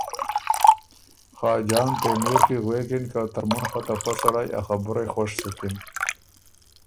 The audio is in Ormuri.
خاجان تېمور کی غوېکِن که ترمُن خه ته پۀ سړئ ا خبُرئ خوش سُکِن۔